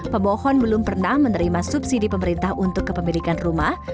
pemohon belum pernah menerima subsidi pemerintah untuk kepemilikan rumah